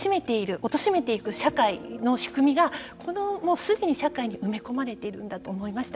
おとしめていく社会の仕組みがもうすでに社会に埋め込まれているんだと思いました。